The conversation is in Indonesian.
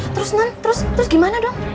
terus nan terus gimana dong